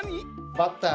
バッター！